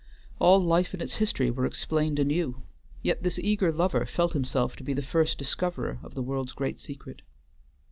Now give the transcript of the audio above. All life and its history was explained anew, yet this eager lover felt himself to be the first discoverer of the world's great secret.